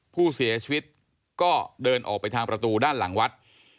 ผู้เสียชีวิตก็เดินออกไปทางประตูด้านหลังวัด